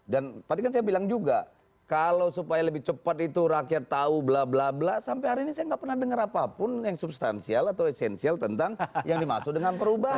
dan tadi kan saya bilang juga kalau supaya lebih cepat itu rakyat tahu bla bla bla sampai hari ini saya tidak pernah dengar apapun yang substansial atau esensial tentang yang dimaksud dengan perubahan